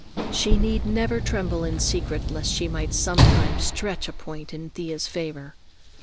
She need never tremble in secret lest she might sometime stretch a point in Thea's favor.